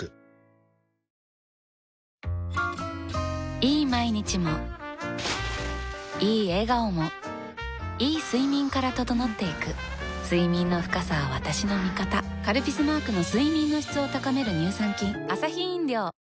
いい毎日もいい笑顔もいい睡眠から整っていく睡眠の深さは私の味方「カルピス」マークの睡眠の質を高める乳酸菌プシュ！